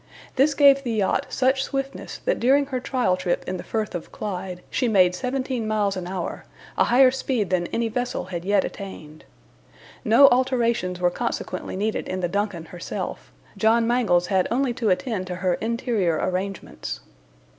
This gave the yacht such swiftness that during her trial trip in the Firth of Clyde, she made seventeen miles an hour, a higher speed than any vessel had yet attained. No alterations were consequently needed in the DUNCAN herself; John Mangles had only to attend to her interior arrangements.